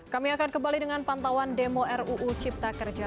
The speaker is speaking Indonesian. kami akan kembali dengan pantauan demo ruu cipta kerja